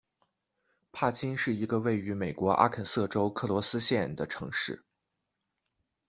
帕金是一个位于美国阿肯色州克罗斯县的城市。